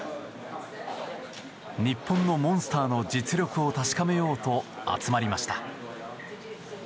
日本のモンスターの実力を確かめようと集まりました。